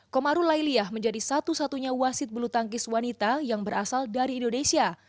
komaru lailiyah menjadi satu satunya wasit bulu tangkis wanita yang berasal dari indonesia